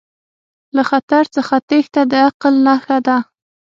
له خطر څخه تیښته د عقل نښه ده.